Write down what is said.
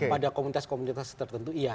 pada komunitas komunitas tertentu iya